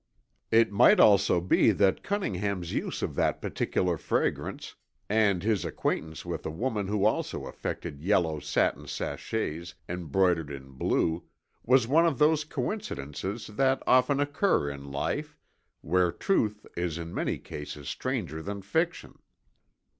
It might also be that Cunningham's use of that particular fragrance, and his acquaintance with a woman who also affected yellow satin sachets embroidered in blue, was one of those coincidences that often occur in life, where truth is in many cases stranger than fiction.